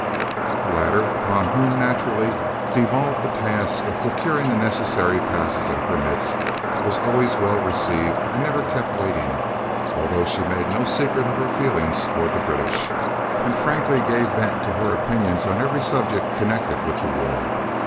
The latter, upon whom naturally devolved the task of procuring the necessary passes and permits, was always well received, and never kept waiting, although she made no secret of her feelings towards the British, and frankly gave vent to her opinions on every subject connected with the war.